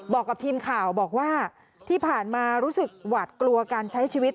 บอกกับทีมข่าวบอกว่าที่ผ่านมารู้สึกหวาดกลัวการใช้ชีวิต